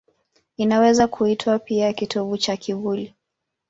Inaweza kuitwa pia kitovu cha kivuli.